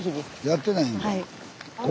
やってないんだ。